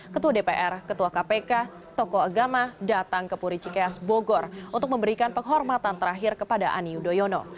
ketua dpr ketua kpk tokoh agama datang ke puricikeas bogor untuk memberikan penghormatan terakhir kepada ani yudhoyono